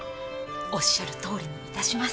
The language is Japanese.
おっしゃるとおりに致します。